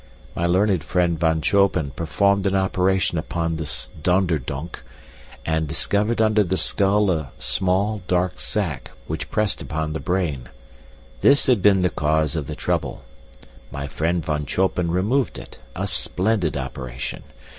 My learned friend Von Choppem performed an operation upon this Donderdunck and discovered under the skull a small dark sac, which pressed upon the brain. This had been the cause of the trouble. My friend Von Choppem removed it a splendid operation!